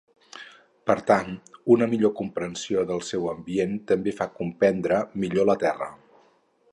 Per tant, una millor comprensió del seu ambient també fa comprendre millor la Terra.